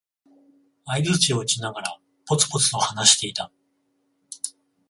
相づちを打ちながら、ぽつぽつと話していた。